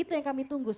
itu yang kami tunggu